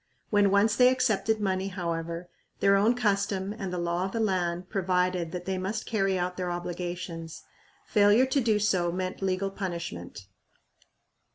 When once they accepted money, however, their own custom and the law of the land provided that they must carry out their obligations. Failure to do so meant legal punishment.